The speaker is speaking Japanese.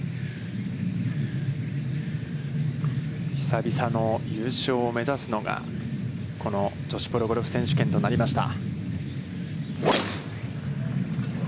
久々の優勝を目指すのが、この女子プロゴルフ選手権となりました。